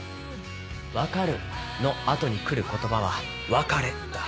「分かる」の後に来る言葉は「別れ」だ。